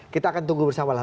kita akan tunggu bersamalah